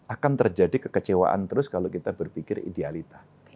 akan terjadi kekecewaan terus kalau kita berpikir idea